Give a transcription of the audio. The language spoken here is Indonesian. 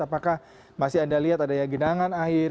apakah masih anda lihat adanya genangan air